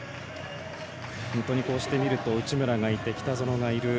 本当にこうして見ると内村がいて北園がいる。